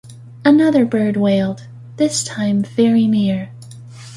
Another bird wailed, this time very near.